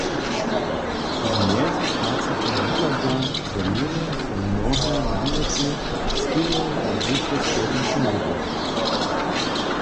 Z mjezyfacita wuchadźa, zo měrja so mnohe namjety skerje na wyše schodźenki mytow.